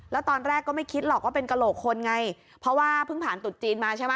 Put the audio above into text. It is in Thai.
แล้วตอนแรกก็ไม่คิดหรอกว่าเป็นกระโหลกคนไงเพราะว่าเพิ่งผ่านตุดจีนมาใช่ไหม